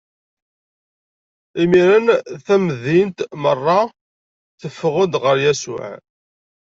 Imiren tamdint meṛṛa teffeɣ-d ɣer Yasuɛ.